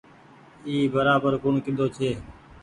اي برابر ڪوڻ ڪيۮو ڇي۔